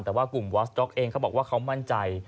แต่ว่ากลุ่มวอสด็อกเองเขาบอกว่าเขามั่นใจ